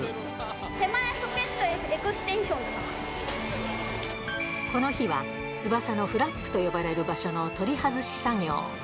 手前ソケット、この日は、翼のフラップと呼ばれる場所の取り外し作業。